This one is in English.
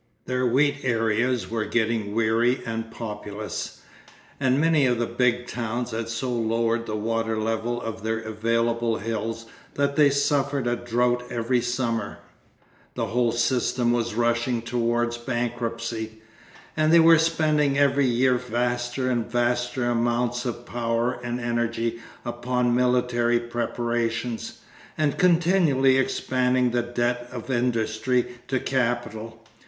Their wheat areas were getting weary and populous, and many of the big towns had so lowered the water level of their available hills that they suffered a drought every summer. The whole system was rushing towards bankruptcy. And they were spending every year vaster and vaster amounts of power and energy upon military preparations, and continually expanding the debt of industry to capital.